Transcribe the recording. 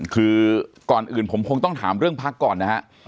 คือก่อนอื่นผมคงต้องถามเรื่องพักก่อนนะฮะ